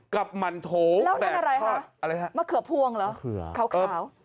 กับหมั่นโถแบบทอดอะไรนะขาวขาวมะเขือพ่วงเหรอ